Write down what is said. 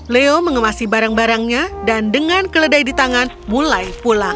leo mengemasi barang barangnya dan dengan keledai di tangan mulai pulang